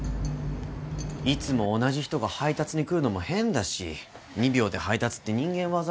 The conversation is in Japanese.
いつも同じ人が配達に来るのも変だし２秒で配達って人間業じゃないだろ？